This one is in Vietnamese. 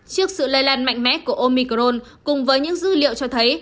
trước sự lây lan mạnh mẽ của omicron cùng với những dữ liệu cho thấy